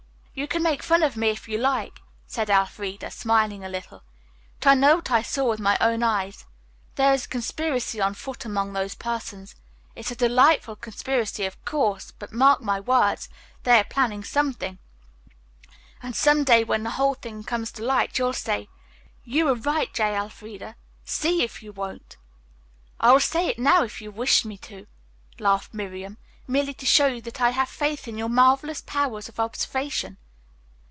"You can make fun of me if you like," said Elfreda, smiling a little, "but I know what I saw with my own eyes. There is a conspiracy on foot among those persons. It's a delightful conspiracy, of course, but mark my words, they are planning something, and some day when the whole thing comes to light you'll say, 'You were right, J. Elfreda,' see if you won't." "I will say it now if you wish me to," laughed Miriam, "merely to show you that I have faith in your marvelous powers of observation."